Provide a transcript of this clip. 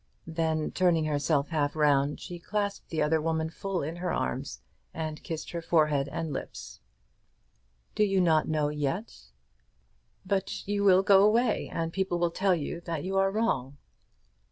Then, turning herself half round, she clasped the other woman full in her arms, and kissed her forehead and her lips. "Do you not know yet?" "But you will go away, and people will tell you that you are wrong."